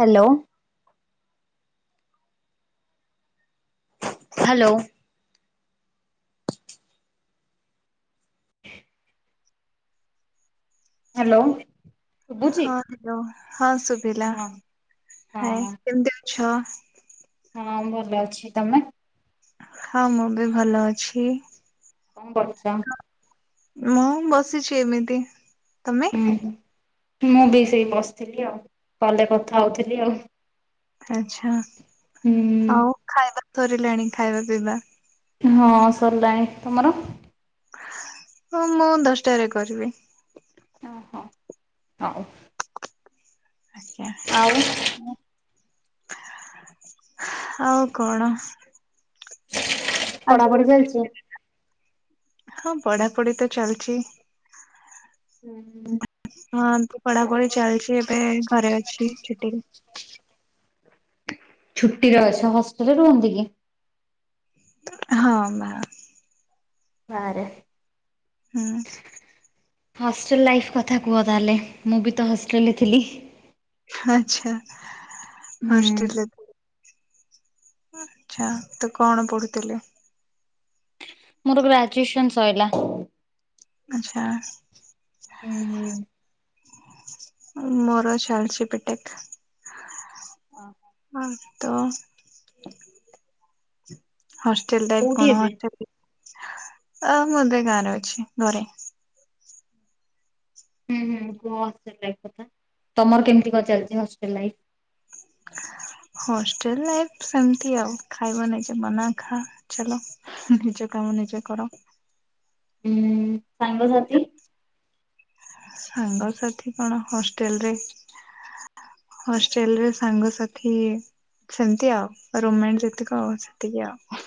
Hello. [unintelligible] Hello. Hello. ହଁ hello ହଁ ସୁଭିଲା ହଁ ହାଏ କେମତି ଛ। ହଁ ହଁ ଭଲ ଅଛି ତମେ? ହଁ ମୁଁ ବି ଭଲ ଅଛି। କଣ କରୁଚ? ମୁଁ ବସିଛି ଏମିତି। ତମେ? ହୁଁ ମୁଁ ବି ସେଇ ବସିଥିଲି ଆଉ। କଲରେ କଥା ହଉଥିଲି ଆଉ। ଆଚ୍ଛା, ଆଉ ହୁଁ ଖାଇବା ସରିଲାଣି ଖାଇବା ପିଇବା। ହଁ ସରିଲାଣି। ତମର? ହଁ ମୁଁ ଦଶଟାରେ କରିବି। ଓହୋ ହଉ। ଆଜ୍ଞା ଆଉ ଆଉ କଣ? ଆଜି ପଢାପଢି ଚାଲିଚି? ହଁ ପଢାପଢି ତ ଚାଲିଚି। [inaudible] ହଁ ଏମତି ପଢ଼ାପଢ଼ି ଚାଲିଚି ଏବେ ଘରେ ଅଛି ଛୁଟିରେ। ଛୁଟିରେ ଅଛ ହଷ୍ଟେଲରେ ରୁହନ୍ତି କି? ହଁ ବାସ୍। ବାହାରେ। ହୁଁ। ହଷ୍ଟେଲ ଲାଇଫ କଥା କୁହ ତାହେଲେ। ମୁଁ ବି ତ ହଷ୍ଟେଲରେ ଥିଲି। ଆଚ୍ଛା ହୁଁ ହଷ୍ଟେଲ ଆଚ୍ଛା ତୁ କଣ ପଢୁଥିଲୁ? ମୋର ଗ୍ରାଜୁଏସନ ସରିଲା। ଆଚ୍ଛା। ହୁଁ। ମୋର ଚାଲିଛି ବିଟେକ୍। ଉଁ। ତ ହଷ୍ଟେଲ କୋଉଠି ଏବେ? [unintelligible] ମୁଁ ଏବେ ଗାଁରେ ଅଛି ଘରେ। ହୁଁ ହୁଁ କୁହ ହଷ୍ଟେଲ ଲାଇଫ କଥା। ତମର କେମିତି କଣ ଚାଲିଚି ହଷ୍ଟେଲ ଲାଈଫ୍? [inaudible] ହଷ୍ଟେଲ ଲାଇଫ ସେମିତି ଆଉ ଖାଇବା ନେଇକି ବନା ଖା ଚାଲ। ନିଜ କାମ ନିଜେ କର। ହୁଁ ସାଙ୍ଗ ସାଥି? ସାଙ୍ଗସାଥି କଣ ହଷ୍ଟେଲ ରେ ହଷ୍ଟେଲ ରେ ସାଙ୍ଗସାଥି ସେମିତି ଆଉ ରୋମାଣ୍ଟିକ ତିକ ଆ ସେତିକି ଆଉ।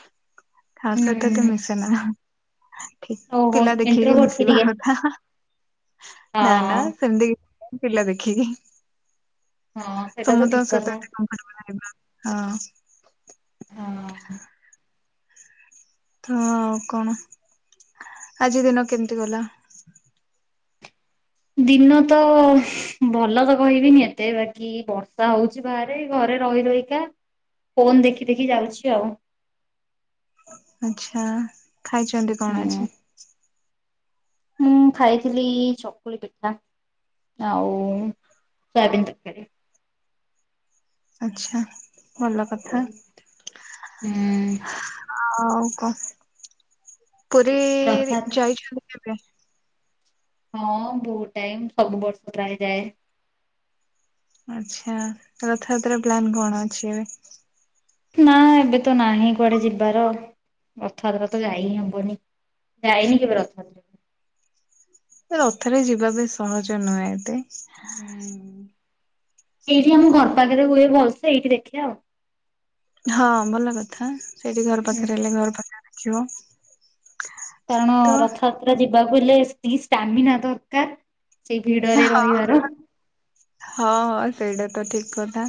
କା ସହିତ ଏତେ ହୁଁ ମିଶେ ନା। ଓହୋ ପିଲା ଦେଖିକି ଇଣ୍ଟ୍ରୋଭଟ କି ମିଶିବା ଟିକେ? କଥା ।ନା ନା ହଁ ସେମିତି ପିଲା ଦେଖିକି। ହଁ ସେଇଟା ତ ଠିକ କଥା। [unintelligible] [inaudible] ତ ଆଉ କଣ? ଆଜି ଦିନ କେମିତି ଗଲା? ଦିନ ତ ଭଲ ତ କହିବିନି ଏତେ ବାକି ବର୍ଷା ହଉଛି ବାହାରେ ଘରେ ରହି ରହିକା, ଫୋନ ଦେଖି ଦେଖି ଯାଉଛି ଆଉ। ଆଚ୍ଛା, ଖାଇଛନ୍ତି କଣ ହୁଁ ଆଜି? ମୁଁ ଖାଇଥିଲି ଚକୁଳି ପିଠା। ଆଉ ସୋୟାବିନ ତରକାରୀ। ଆଚ୍ଛା ଭଲ କଥା। ହୁଁ ଆଉ ପୁରୀ ରଥଯାତ୍ରା ଯାଇଛନ୍ତି କେବେ? ହଁ ବହୁତ ଟାଇମ, ସବୁ ବର୍ଷଯାଏ। ଆଚ୍ଛା, ରଥଯାତ୍ରା ପ୍ଲାନ୍ କଣ ଅଛି ଏବେ? ନା ଏବେ ତ ନାହିଁ କୁଆଡେ ଯିବାର ଏ ଥରକତ ଯାଇ ହବନି। ଯାଇନି କେବେ ରଥାଯାତ୍ରା କୁ। ରଥରେ ଯିବା ବି ସହଜ ନୁହେଁ ଏତେ। ଏଇଠି ଆମ ଘର ପାଖରେ ହୁଏ ଭଲସେ, ଏଇଠି ଦେଖିବା ଆଉ। ହଁ ଭଲ କଥା ସେଇଠି ଘର ପାଖରେ ହେଲେ ଘର ପାଖ ଦେଖିବ। କାରଣ ତ ରଥଯାତ୍ରା ଯିବାକୁ ହେଲେ ଷ୍ଟାମିନା ଦରକାର। ସେଇ ଭିଡରେ ରହିବାର ହଁ ହଁ ସେଇଟା ତ ଠିକ କଥା।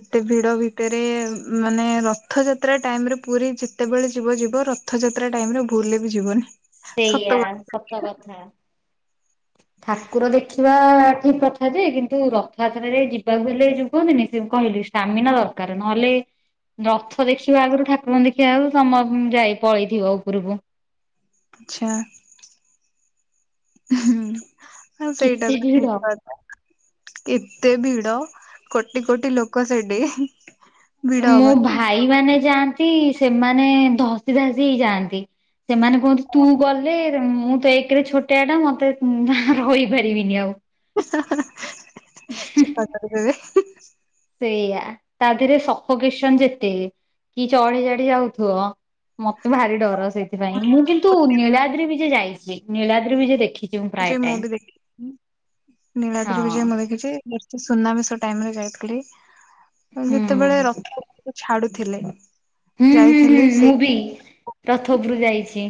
ଏତେ ଭିଡ ଭିତରେ ମାନେ ରଥଯାତ୍ରା ଟାଇମରେ ପୁରୀ ଯେତେବେଳେ ଯିବ ଯିବ ରଥଯାତ୍ରା ଟାଇମ ରେ ଭୁଲରେ ବି ଯିବନି। ସତ ସେଇଆ କଥା ସତ କଥା। ଠାକୁର ଦେଖିବା ଠିକ କଥା ଯେ, କିନ୍ତୁ ରଥଯାତ୍ରାରେ ଯିବାକୁ ହେଲେ ଏ ଯୋଉ କୁହନ୍ତିନି ଯେ କହିଲି ଷ୍ଟାମିନା ଦରକାର ନହେଲେ ରଥ ଦେଖିବା ଆଗରୁ ଠାକୁରଙ୍କୁ ଦେଖିବା ଆଗରୁ ସମ ଯାଇ ପଳେଇଥିବ ଉପରକୁ। ଆଚ୍ଛା। ହୁଁ। ହଁ ସେଇଟା କେତେ ତ ଭିଡ ଠିକ କଥା ଏତେ ଭିଡ କୋଟି କୋଟି ଲୋକ ସେଇଠି। ମୋ ଭାଇ ମାନେ ଯାଆନ୍ତି ସେମାନେ ଧସି ଧାସି ହେଇ ଯାଆନ୍ତି। ସେମାନେ କୁହନ୍ତି ତୁ ଗଲେ ମୁଁ ତ ଏକରେ ଛୋଟିଆ ଟା ମତେ ରହିପାରିବିନି ଆଉ। [unintelligible] ସେଇଆ ତା ଦେହରେ ସଫା କିସନ ଯେତେ। କି ଚଢି ଚଢି ଯାଉଥିବ। ମତେ ଭାରି ଡର ସେଇଥିପାଇଁ ମୁଁ କିନ୍ତୁ ନୀଳାଦ୍ରି ବି ଯେ ଯାଇଛି। ନୀଳାଦ୍ରି ବି ଯେ ଦେଖି ବିଜୟ ମୁଁ ବି ଦେଖିଛି ହଁ ନୀଳାଦ୍ରି ବିଜୟ ମୁଁ ଦେଖିଛି। ସୁନାବେଶ ଟାଇମରେ ଯାଇଥିଲି। ହୁଁ ଯେତେବେଳେ ରଥ ଉପରକୁ ଛାଡୁଥିଲେ। ହୁଁ, ହୁଁ, ହୁଁ, ଯାଇଥିଲି ସେଇ ମୁଁ ବି ରଥ ଉପରକୁ ଯାଇଚି।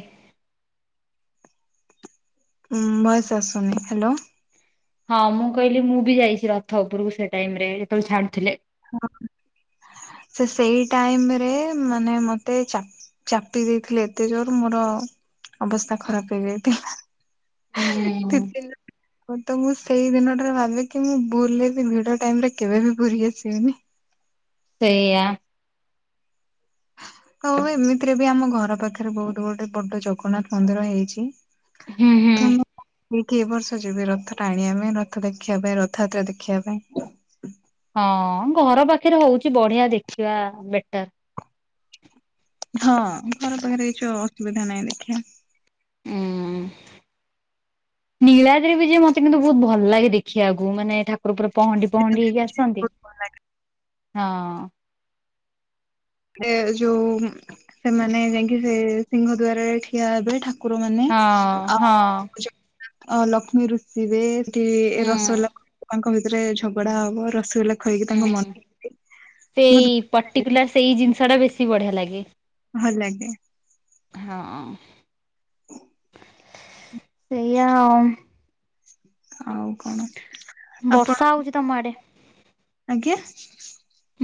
ଉଁ ଭୟସ ଆସୁନି ହାଲୋ। ହଁ ମୁଁ କହିଲି ମୁଁ ବି ଯାଇଛି ରଥ ଉପରକୁ ସେ ଟାଇମ ରେ ଯେତେବେଳେ ଛାଡୁଥିଲେ। ହଁ ସେ ସେଇ ଟାଇମ ରେ ମାନେ ମତେ ଚାପି ଦେଇଥିଲେ ଏତେ ଜୋର ମୋର ଅବସ୍ଥା ଖରାପ ହେଇଯାଇଥିଲା। ହୁଁ [inaudible] ହଁ ତ ମୁଁ ସେଇ ଦିନଟାରେ ଭାବିିକ ମୁଁ ଭୁଲରେବି ଭିଡ ଟାଇମ ରେ କେବେବି ପୁରୀ ଆସିବିନି। ସେଇଆ। ହଉ ଏମିତିରେ ବି ଆମ ଘର ପାଖରେ ବହୁତ ଗୋଟେ ବଡ ଜଗନ୍ନାଥ ମନ୍ଦିର ହେଇଚି। ହୁଁ ହୁଁ। କି ବର୍ଷ ଯିବି ରଥ ଟା ଆଣ ଆମେ ରଥ ଦେଖିବା ପାଇଁ ରଥଯାତ୍ରା ଦେଖିବା ପାଇଁ ହଁ ଘର ପାଖରେ ହଉଚି ବଢିଆ ଦେଖିବା ବେଟର। ହଁ ଘର ପାଖରେ କିଛି ଅସୁବିଧା ନାହିଁ ଦେଖିବା। ହୁଁ। ନୀଳାଦ୍ରିବି ଯେ ମତେ କିନ୍ତୁ ବହୁତ ଭଲ ଲାଗେ ଦେଖିବାକୁ ମାନେ ଠାକୁର ପୁରା ପହଁଣ୍ଡି ପହଁଣ୍ଡି ହେଇକି ଆସନ୍ତି ହଁ। ଯୋଉ ସେମାନେ ଯାଇକି ସେ ସିଂହ ଦବାରରେ ଠିଆ ହେବେ ଠାକୁର କୁକୁର ମାନେ ହଁ ଆଉ ହଁ ଅ ଲକ୍ଷ୍ମୀ ରୁଷିବେ ହୁଁ ରସଗୋଲା ତାଙ୍କ ଭିତରେ ଝଗଡା ହବ ରସଗୋଲା ଖୋଇକି ତାଙ୍କ ମନ ବହୁତ ସେଇ ପର୍ଟିକୁଲାର ସେଇ ଜିନିଷ ଟା ବେଶୀ ବଢିଆ ଲାଗେ। ଭଲ ଲାଗେ। ହଁ। ସେଇୟା ଆଉ। ଆଉ କଣ ବର୍ଷା ଆପଣ ହଉଛି ତମ ଆଡେ ଆଜ୍ଞା?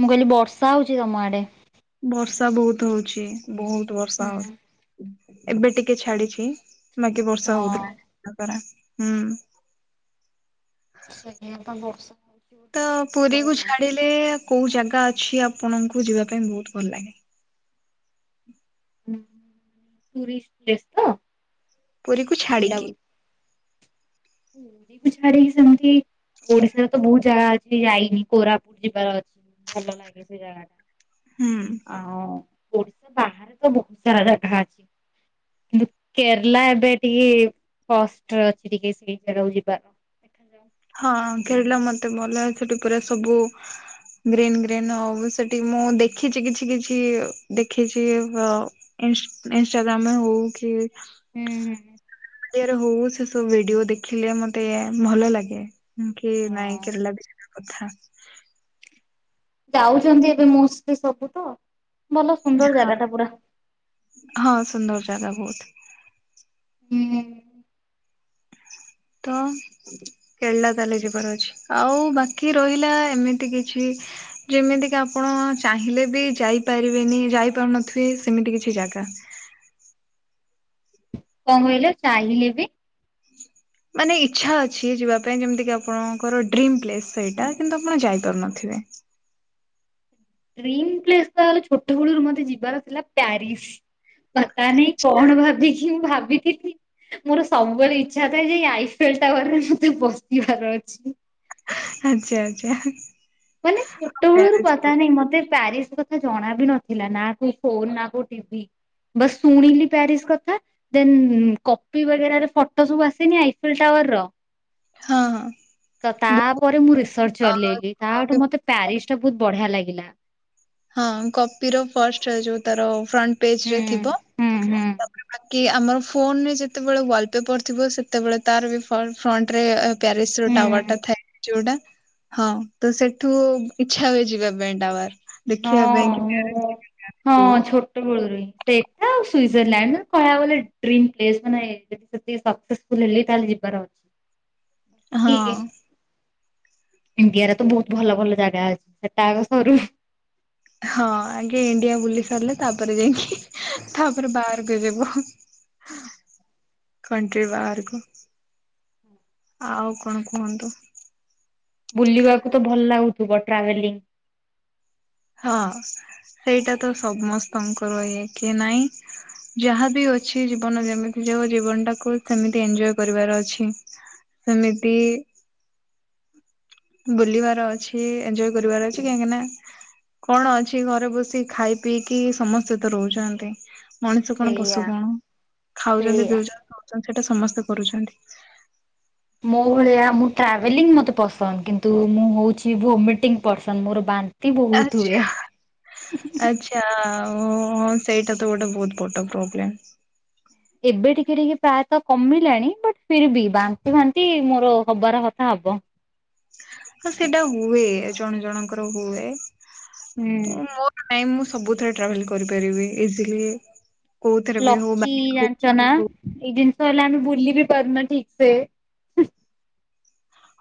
ମୁଁ କହିଲି ବର୍ଷା ହଉଚି ତମ ଆଡେ? ବର୍ଷା ବହୁତ ହଉଚି ବହୁତ ବର୍ଷା ହୁଁ ହଉ ଏବେ ଟିକେ ଛାଡିଛି ମାଗି ବର୍ଷା ହଁ ହୋଉଥିଲା। ହୁଁ। [unintelligible] ତ ବୋଲି ପୁରୀ କୁଆଡେ କୁ ବାହାରି ଛାଡିଲେ କୋଉ ଜାଗା ଅଛି ଆପଣଙ୍କୁ ଯିବା ପାଇଁ ବୋହୁତ ଭଲ ଲାଗେ। ଟୁରଷ୍ଟ ପ୍ଲେସ ତ ପୁରୀକୁ ଛାଡ଼ିକି। ହୁ ହାର ହ ସମ ଓଡିଶାରେ ତ ବୋହୁତ ଜାଗା ଅଛି ଯାଇନି କୋରାପୁଟ ଯିବାର ଭଲ ଲାଗେ ସେ ଜାଗା ହୁଁ ଟା। ଆ ଓଡିଶା ବାହାରେ ତ ବହୁତ ସାରା ଜାଗା ଅଛି। କିନ୍ତୁ କେରଳା ଏବେ ଟିକେ କଷ୍ଟରେ ଅଛି ଟିକେ ସେ। ସେଠାକୁ ଯିବା। ହଁ ଖେଳିଲା ମତେ ଭଲ ସେଠି ପୁରା ସବୁ ଗ୍ରୀନ୍ ଗ୍ରୀନ୍ ହଉ ସେଠି ମୁଁ ଦେଖିଛି କିଛି କିଛି ଦେଖିଛି ଅ ଇନଷ୍ଟାଗ୍ରାମ ହଉ କି ହୁଁ ହୁଁ। ଓଡ଼ିଆରେ ହଉ ସେ ସବୁ ଭିଡିଓ ଦେଖିଲେ ମତେ ଭଲ ଲାଗେ। କି ନାଇଁ ହଁ। କେରଳା ବି ଯିବା କଥା। ଯାଉଛନ୍ତି ଏବେ ମୋଷ୍ଟ ଲି ସବୁ ତ। ଭଲ ସୁନ୍ଦର ଜାଗା ଟା ପୁରା। ହଁ ସୁନ୍ଦର ଜାଗା ବହୁତ। ହୁଁ। ତ କେଳିଲ ତାହେଲେ ଯିବାର ଅଛି ଆଉ ବାକି ରହିଲା ଏମିତି କିଛି ଯେମିତି କି ଆପଣ ଚାହିଁଲେ ବି ଯାଇପାରିବେନି ଯାଇପାରୁନଥିବେ ସେମିତି କିଛି ଜା ତସ୍ କଣ କହିଲେ ଚାହିଁଲେ ବି ମାନେ ଇଚ୍ଛା ଅଛି ଯିବା ପାଇଁ ଯେମିତିକି ଆପଣଙ୍କର ଡ୍ରିମ୍ ପ୍ଲେସ୍ ସେଇଟା କିନ୍ତୁ ଆପଣ ଯାଇପାରୁନଥିବେ। ବେ। ଡ୍ରିମ୍ ପ୍ଲେସ ତ ଛୋଟ ବେଳୁରୁ ମତେ ଯିବାର ଥିଲା ପ୍ୟାରିସ। ପତା ନାଇଁ କଣ ଭାବିକି ମୁଁ ଭାବିଥିଲି ମୋର ସବୁବେଳେ ଇଚ୍ଛା ଥାଏ ଯେ ଏଇ ଆଇସ ସେ ଟାୱାରରେ ମତେ ବସିବାର ଅଛି। ଆଚ୍ଛା ଆଚ୍ଛା। ମାନେ ଛୋଟ ବେଳୁରୁ ମ୍ୟାରେଜ୍ କୁ ପତା ନାଇଁ ମତେ ପ୍ୟାରିସ କଥା ଜଣା ବି ନଥିଲା ନା କୋଉ ଫୋନ ନା କୋଉ ଟିଭି। ବସ୍ ଶୁଣିଲି ପ୍ୟାରିସ କଥା ଦେନ୍ କପିବଗେରା ରେ ଫଟୋ ସବୁ ଆସେନି ଆଇଫିଲ ଟାୱାର ର ହଁ ହଁ ତ ବହୁତ ତାପରେ ମୁଁ ରିସର୍ଚ୍ଚ ଚଲେଇଲି। ତା ଠୁ ମତେ ପ୍ୟାରିସ ଟା ବହୁତ ବଢିଆ ଲାଗିଲା। ହଁ କପିର ଫଷ୍ଟ ରେ ଯୋଉ ତାର ଫ୍ରଣ୍ଟ ହୁଁ ପେଜରେ ଥିବ ହୁଁ ହୁଁ ତାପରେ ବାକି ଆମର ଫୋନରେ ଯେତେବେଳେ ୱାଲ ପେପର ଥିବ ସେତେବେଳେ ତାର ବି ଫ୍ରଣ୍ଟ ରେ ଏ ପ୍ୟାରିସର ହୁଁ। ଟାୱରଟା ଥାଏ ଯୋଉଟା। ହଁ ତ ସେଠୁ ଇଚ୍ଛା ହୁଏ ଯିବା ପାଇଁ ଟାୱାର। ଦେଖିବା ହଁ ପାଇଁ କି ମୁଁ ହଁ ଯିବି ଛୋଟବେେଳରୁ। ସେଇଟା ଆଉ ସ୍ୱିଜରଲାଣ୍ଡ କହିବାକୁ ଗଲେ ଡ୍ରିମ ପ୍ଲେସ ମାନେ ସେତିକି ସକ୍ସେସଫୁଲ ହେଲି ତାହେଲେ ଯିବ। ଯିବାର ଅଛି [unintelligible] ହଁ କି ଇଣ୍ଡିଆରେ ତ ବହୁତ ଭଲ ଭଲ ଜାଗା ଅଛି ସେଟା ଆଗ ସରୁ। ହଁ ଆଗେ ଇଣ୍ଡିଆ ବୁଲି ସାରିଲେ ତାପରେ ଯାଇକି। ତାପରେ ବାହାରକୁ ଯିବ। କଣ୍ଟ୍ରି ବାହାରକୁ ଆଉ କଣ କୁହନ୍ତୁ? ବୁଲିବାକୁ ତ ଭଲ ଲାଗୁଥିବ ଟ୍ରାଭେଲିଂ ହଁ ସେଇଟା ତ ସମସ୍ତଙ୍କର ଇଏ କି ନାଇଁ, ଯାହାବି ଅଛି ଜୀବନ ଯେମିତି ଯାଉ, ଜୀବନଟାକୁ କେମିତି ଏନଜୟ କରିବାର ଅଛି । ସେମିତି ବୁଲିବାର ଅଛି ଏନଜୟ କରିବାର ଅଛି, କାହିଁକି ନା କଣ ଅଛି ଘରେ ବସି ଖାଇ ପିଇକି ସମସ୍ତେ ତ ରହୁଛନ୍ତି । ମଣିଷ କଣ? ସେଇଆ ପଶୁ କଣ? ଖାଉଛନ୍ତି, ସେଇଆ। ପିଉଛନ୍ତି, ରହୁଛନ୍ତି ସେଟା ସମସ୍ତେ କରୁଛନ୍ତି । ମୋ ଭଳିଆ ମୁଁ ଟ୍ରାଭେଲିଂ ମୋତେ ପସନ୍ଦ କିନ୍ତୁ ମୁଁ ହଉଛି ଭୁମିଟିଂ ପରସନ ମୋର ବା ଆଛା ଆଛା। ଓ ହଁ ସେଇଟା ତ ଗୋଟେ ବହୁତ ବଡ ପ୍ରୋବ୍ଲେମ୍ । ଏବେ ଟିକେ ଟିକେ ପ୍ରାୟତଃ କମିଲାଣି ବଟ ଫିର ବି ବାନ୍ତି ଫାନ୍ତି ମୋର ହବାର କଥା ହବ । ବ [unintelligible] ହ ସେଇଟା ହୁଏ, ଜଣେ ଜଣଙ୍କର ହୁଏ ହୁଁ। । ମୋର ନାଇଁ, ମୁଁ ସବୁଥିରେ ଟ୍ରାଭେଲ କରିପାରିବି ଇଜିଲି । ଲକି ଜାଣିଚନା, ଏଇ ଜିନିଷ ହେଲା ଆମେ ବୁଲିବି କରମା ଠିକ ସେ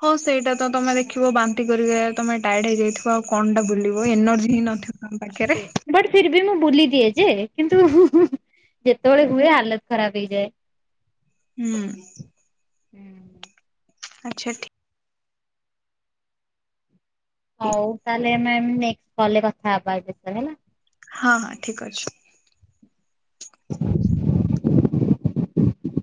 ହଁ ସେଇଟା ତମେ ଦେଖିବ ବାନ୍ତି କରିକ ତମେ ଟାଇଏଡ ହେଇଯାଇଥିବ ଆଉ କଣଟା ବୁଲିବ? ଏନର୍ଜି ହି ନଥିବ ତମ ପାଖରେ ହୁଏ ଯେ କିନ୍ତୁ [unintelligible] ଯେତେବେଳେ ହୁଏ ହାଲତ ଖରାପ ହେଇଯାଏ । ହୁଁ । ହୁଁ । ଆଛା ଠି ଠିକ୍ ହଉ ତାହେଲେ ଆମେ ନେକ୍ସଟ କଲ୍ ରେ କଥା ହେଵା ଏଇ ବିଷୟରେ ହେଲା । ହଁ ହଁ ଠିକ ଅଛି । [unintelligible]